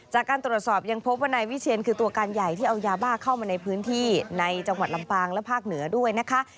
จากการตรวจสอบยังพบว่านายวิเชียนคือตัวการใหญ่ที่เอายาบ้าเข้ามาในพื้นที่ในจังหวัดลำปางและภาคเหนือด้วยนะคะ